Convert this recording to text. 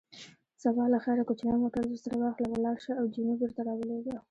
سبا له خیره کوچنی موټر درسره واخله، ولاړ شه او جینو بېرته را ولېږه.